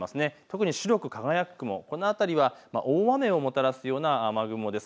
特に白く輝く雲、この辺りは大雨をもたらすような雨雲です。